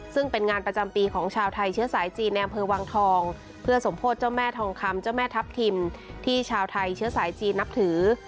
ซึ่งเป็นงานประจำปีของชาวไทยเชื้อสายจีนในอำเภอวังทองเพื่อสมโพธิเจ้าแม่ทองคำเจ้าแม่ทัพทิมที่ชาวไทยเชื้อสายจีนนับถือ